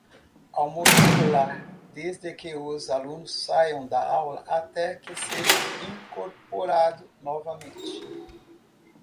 Almoço escolar: desde que os alunos saiam da aula até que seja incorporado novamente.